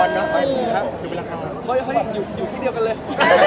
นี่เขาอีกจบอยู่อยู่ที่เดียวกันเลย